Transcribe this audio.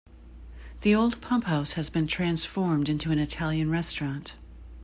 The old pumphouse has been transformed into an Italian restaurant.